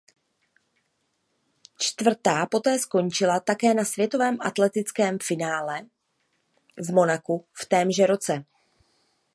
Čtvrtá poté skončila také na světovém atletickém finále v Monaku v témže roce.